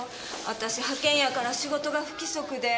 あたし派遣やから仕事が不規則で。